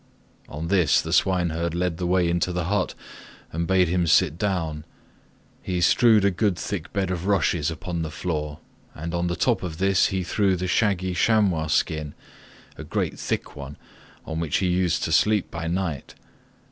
On this the swineherd led the way into the hut and bade him sit down. He strewed a good thick bed of rushes upon the floor, and on the top of this he threw the shaggy chamois skin—a great thick one—on which he used to sleep by night.